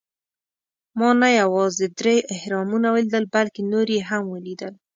ما نه یوازې درې اهرامونه ولیدل، بلکې نور یې هم ولېدل.